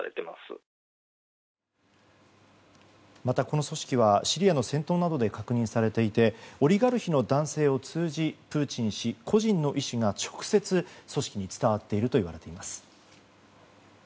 またこの組織はシリアの戦闘などで確認されていてオリガルヒの男性を通じプーチン氏個人の意思が直接組織に伝わっているといわれています。